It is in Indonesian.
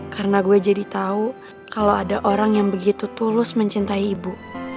karena gue jadi tahu kalau ada orang yang begitu tulus mencintai ibu